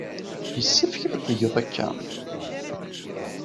Yessefk ad t-tgeḍ akka.